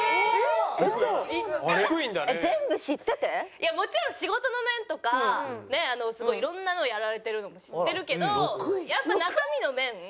いやもちろん仕事の面とかねすごいいろんなのをやられてるのも知ってるけどやっぱ中身の面。